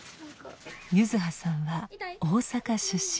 柚子葉さんは大阪出身。